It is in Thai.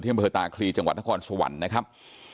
อำเภอตาคลีจังหวัดนครสวรรค์นะครับ